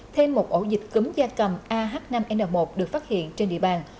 thêm một ổ dịch cấm gia cầm ah năm n một được phát hiện trên địa bàn